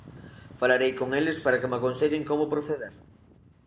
Falarei con eles para que me aconsellen como proceder.